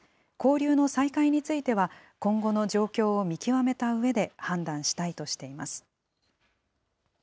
交流の再開については、今後の状況を見極めたうえで判断したいとしています。